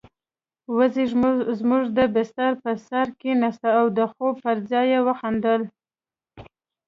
وزې زموږ د بستر پر سر کېناسته او د خوب پر ځای يې وخندل.